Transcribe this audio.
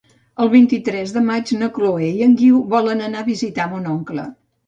El vint-i-tres de maig na Chloé i en Guiu volen anar a visitar mon oncle.